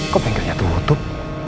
kok bengkelnya tutup